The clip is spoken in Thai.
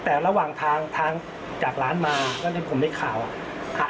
แต่ระหว่างทางจากร้านมาก็ได้ข่าวอ่ะ